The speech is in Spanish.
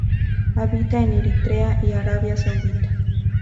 Habita en Eritrea y Arabia Saudita.